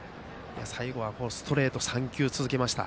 最後はストレート３球続けました。